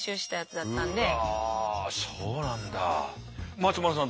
松丸さん